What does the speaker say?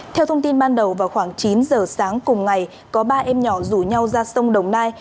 theo thông tin ban đầu vào khoảng chín giờ sáng cùng ngày có ba em nhỏ rủ nhau ra sông đồng nai